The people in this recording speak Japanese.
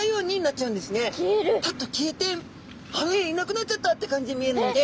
パッと消えてあれいなくなっちゃったって感じに見えるので。